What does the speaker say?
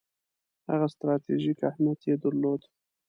هغه ستراتیژیک اهمیت یې درلود.